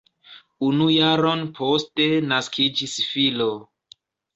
Unu jaron poste naskiĝis filo.